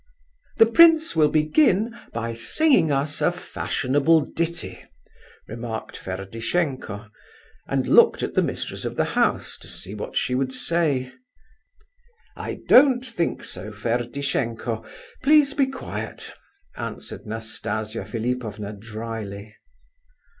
"The prince will begin by singing us a fashionable ditty," remarked Ferdishenko, and looked at the mistress of the house, to see what she would say. "I don't think so, Ferdishenko; please be quiet," answered Nastasia Philipovna dryly.